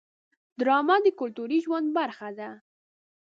ډرامه د کلتوري ژوند برخه ده